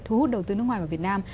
thu hút đầu tư nước ngoài vào việt nam